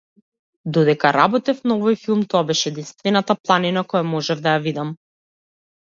Додека работев на овој филм тоа беше единствената планина која можев да ја видам.